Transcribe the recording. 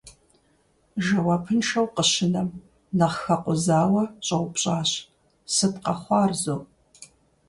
Жэуапыншэу къыщынэм, нэхъ хэкъузауэ щӀэупщӀащ: «Сыт къэхъуар зо?».